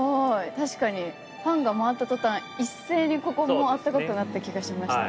確かにファンが回った途端一斉にここも暖かくなった気がしました。